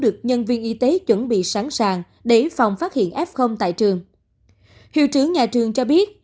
được nhân viên y tế chuẩn bị sẵn sàng để phòng phát hiện f tại trường hiệu trưởng nhà trường cho biết